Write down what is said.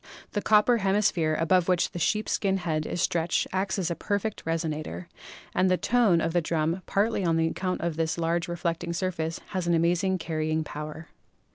The copper hemisphere above which the sheepskin head is stretched acts as a perfect resonator, and the tone of the drum, partly on account of this large reflecting surface, has an amazing carrying power.